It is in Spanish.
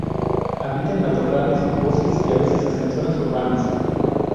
Habita en matorrales, bosques y a veces hasta en zonas urbanas.